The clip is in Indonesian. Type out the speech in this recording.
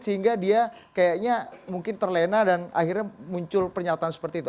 sehingga dia kayaknya mungkin terlena dan akhirnya muncul pernyataan seperti itu